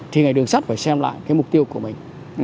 thì ngành đường sắt phải xem lại cái mục tiêu của mình